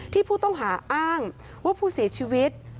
ผู้ต้องหาอ้างว่าผู้เสียชีวิต